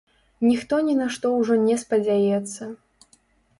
Ніхто ні на што ўжо не спадзяецца.